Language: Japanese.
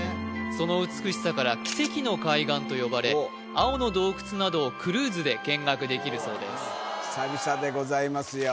その美しさから奇跡の海岸と呼ばれ青の洞窟などをクルーズで見学できるそうです